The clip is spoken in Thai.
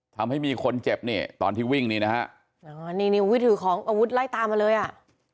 ทำให้มีคนเจ็บนี่ตอนที่วิ่งนี่นะฮะนี่นี่อุ้ยถือของอาวุธไล่ตามมาเลยอ่ะ